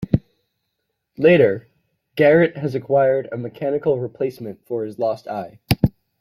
Later, Garrett has acquired a mechanical replacement for his lost eye.